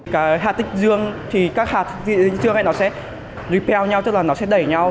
các hạt tích dương thì các hạt tích dương này nó sẽ repel nhau tức là nó sẽ đẩy nhau